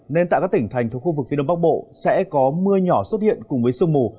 nên tại các tỉnh thành thuộc khu vực phía đông bắc bộ sẽ có mưa nhỏ xuất hiện cùng với sương mù